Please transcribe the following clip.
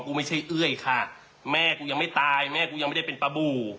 ไม่ใช่เอ้ยค่ะแม่กูยังไม่ตายแม่กูยังไม่ได้เป็นปลาบู